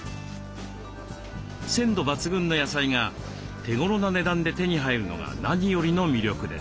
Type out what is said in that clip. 鮮度抜群の野菜が手頃な値段で手に入るのが何よりの魅力です。